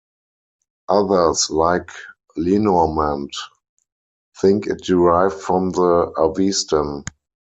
Others, like Lenormant, think it derived from the Avestan.